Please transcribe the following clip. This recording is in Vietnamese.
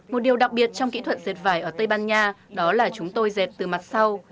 một điều đặc biệt trong kỹ thuật dệt vải ở tây ban nha đó là chúng tôi dệt từ mặt sau